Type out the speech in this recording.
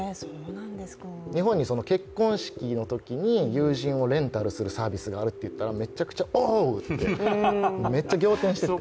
日本に結婚式のときに友人をレンタルするサービスがあると言ったらめちゃくちゃ、Ｏｈ！って、仰天してて。